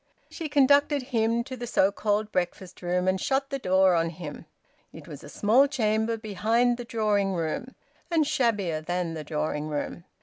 She conducted him to the so called breakfast room and shut the door on him. It was a small chamber behind the drawing room, and shabbier than the drawing room.